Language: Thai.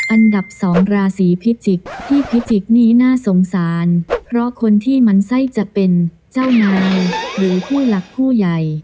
อันดับสองราศีพิจิกษ์ที่พิจิกนี้น่าสงสารเพราะคนที่มันไส้จะเป็นเจ้านายหรือผู้หลักผู้ใหญ่